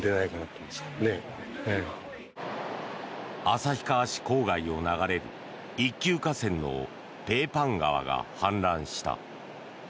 旭川市郊外を流れる一級河川のペーパン川が氾濫した。